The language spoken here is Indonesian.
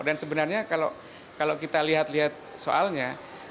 dan sebenarnya kalau kita lihat lihat soalnya